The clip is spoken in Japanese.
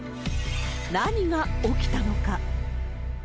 何が起きたのか。